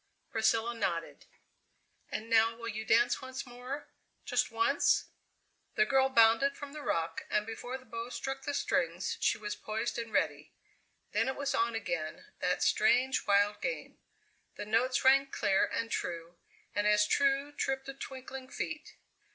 Priscilla nodded. "And now will you dance once more, just once?" The girl bounded from the rock, and before the bow struck the strings she was poised and ready. Then it was on again, that strange, wild game. The notes rang clear and true, and as true tripped the twinkling feet.